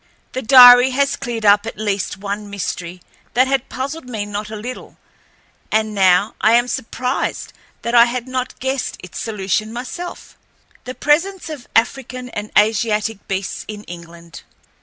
The diary has cleared up at least one mystery that had puzzled me not a little, and now I am surprised that I had not guessed its solution myself—the presence of African and Asiatic beasts in England.